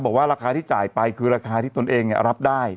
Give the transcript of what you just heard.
บอกว่าราคาที่จ่ายไปคือราคาที่ตนเองรับได้